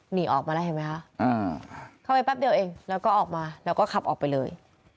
หนีออกมาแล้วเห็นไหมคะเข้าไปแป๊บเดียวเองแล้วก็ออกมาแล้วก็ขับออกไปเลย